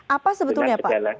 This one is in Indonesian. apa sebetulnya pak